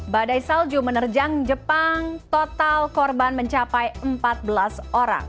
badai salju menerjang jepang total korban mencapai empat belas orang